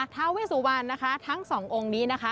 ทาเวสุวรรณนะคะทั้งสององค์นี้นะคะ